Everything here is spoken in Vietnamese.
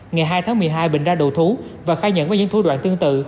ngày hai tháng một mươi hai bình ra đầu thú và khai nhận với những thủ đoạn tương tự